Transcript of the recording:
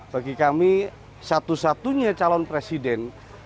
bagi kami satu satunya calon presiden